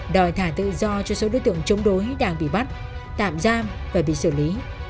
đòi thả tự do cho số đối tượng chống đối đang bị bắt tạm giam và bị xử lý